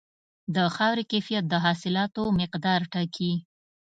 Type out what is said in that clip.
د خاورې کیفیت د حاصلاتو مقدار ټاکي.